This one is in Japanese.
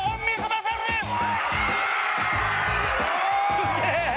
すげえ！